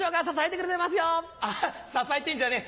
アハっ支えてんじゃねえ